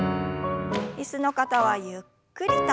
椅子の方はゆっくりと。